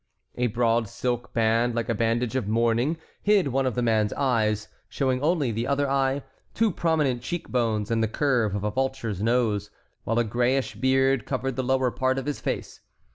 A broad silk band like a badge of mourning hid one of the man's eyes, showing only the other eye, two prominent cheek bones, and the curve of a vulture's nose, while a grayish beard covered the lower part of his face.